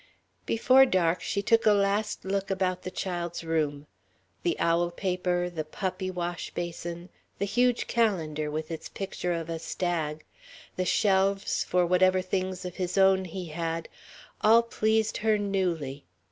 Before dark she took a last look about the child's room. The owl paper, the puppy washbasin, the huge calendar with its picture of a stag, the shelves for whatever things of his own he had, all pleased her newly.